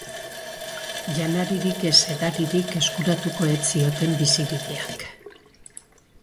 Janaririk ez edaririk eskuratuko ez zioten bizibideak.